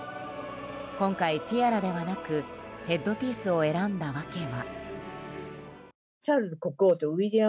今回、ティアラではなくヘッドピースを選んだわけは。